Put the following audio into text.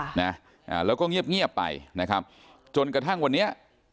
นะอ่าแล้วก็เงียบเงียบไปนะครับจนกระทั่งวันนี้